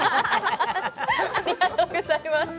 ありがとうございます